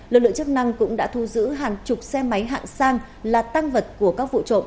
lực lượng chức năng cũng đã thu giữ hàng chục xe máy hạng sang là tăng vật của các vụ trộm